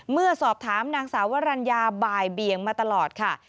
เมื่อสอบถามนางสาววรรณยาบ่ายเบียงมาตลอดค่ะ